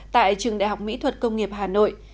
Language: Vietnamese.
tại trường đại học mỹ thuật công nghiệp hà nội